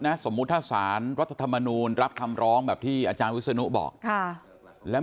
สมมุติถ้าสารรัฐธรรมนูลรับคำร้องแบบที่อาจารย์วิศนุบอกแล้ว